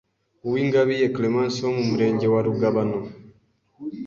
Uwingabiye Clemence wo mu Murenge wa Rugabano